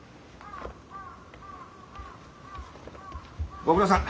ご苦労さん。